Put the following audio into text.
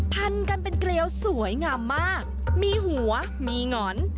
พันกันเป็นเกลียวสวยงามมากมีหัวมีหงอน